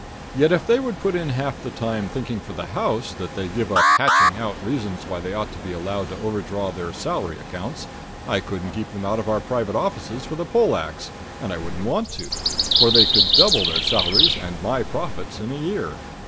Yet if they would put in half the time thinking for the house that they give up to hatching out reasons why they ought to be allowed to overdraw their salary accounts, I couldn't keep them out of our private offices with a pole ax, and I wouldn't want to; for they could double their salaries and my profits in a year.